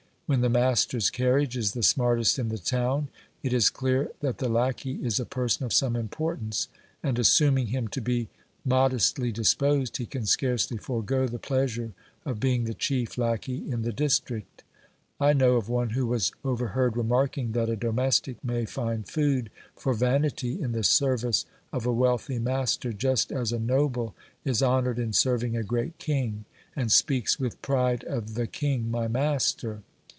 When the master's carriage is the smartest in the town, it is clear that the lacquey is a person of some importance; and assuming OBERMANN 233 him to be modestly disposed, he can scarcely forego the pleasure of being the chief lacquey in the district. I know of one who was overheard remarking that a domestic may find food for vanity in the service of a wealthy master just as a noble is honoured in serving a great king, and speaks with pride of the king, my master.